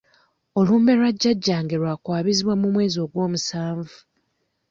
Olumbe lwa jjajjange lwa kwabizibwa mu mwezi ogw'omusanvu.